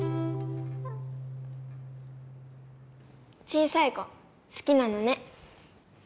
小さい子すきなのね。